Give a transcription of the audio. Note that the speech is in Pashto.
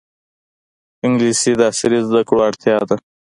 انګلیسي د عصري زده کړو اړتیا ده